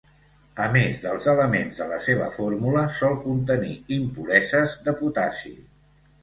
A més dels elements de la seva fórmula, sol contenir impureses de potassi.